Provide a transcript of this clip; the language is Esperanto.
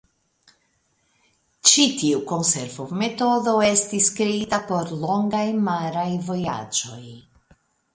Ĉi tiu konservometodo estis kreita por longaj maraj vojaĝoj.